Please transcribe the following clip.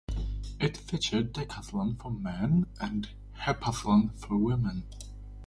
It featured decathlon for men and heptathlon for women.